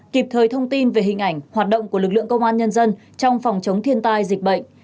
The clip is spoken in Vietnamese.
kịp thời thông tin về hình ảnh hoạt động của lực lượng công an nhân dân trong phòng chống thiên tai dịch bệnh